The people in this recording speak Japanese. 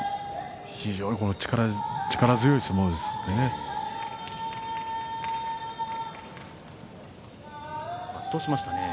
非常に力強い相撲ですね。